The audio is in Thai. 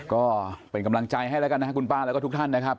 ก็เป็นกำลังใจให้แล้วกันนะครับคุณป้าแล้วก็ทุกท่านนะครับ